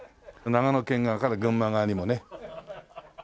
長野県側から群馬側にもね。